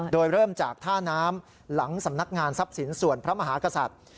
โดยเริ่มจากท่าน้ำหลังสำนักงานทรัพย์สินส่วนพระมหากษัตริย์